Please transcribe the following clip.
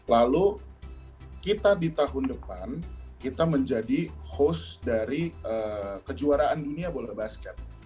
lalu kita di tahun depan kita menjadi host dari kejuaraan dunia bola basket